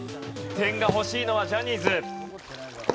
点が欲しいのはジャニーズ。